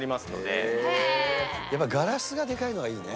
「やっぱガラスがでかいのがいいね」